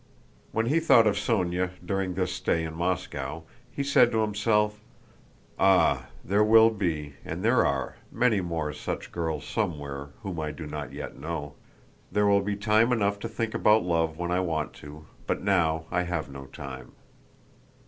When he thought of Sónya, during this stay in Moscow, he said to himself, "Ah, there will be, and there are, many more such girls somewhere whom I do not yet know. There will be time enough to think about love when I want to, but now I have no time."